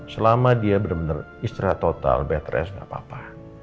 selama dia bener bener istirahat total bed rest nggak apa apa